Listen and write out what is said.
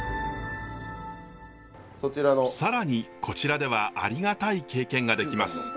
更にこちらではありがたい経験ができます。